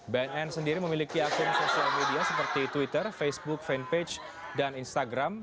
bnn sendiri memiliki akun sosial media seperti twitter facebook fanpage dan instagram